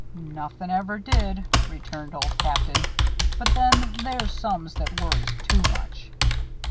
"Nothin' ever did," returned Old Captain. "But then, there's some that worries too much."